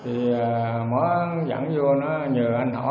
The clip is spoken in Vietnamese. thì mới dẫn vô nó nhờ anh họ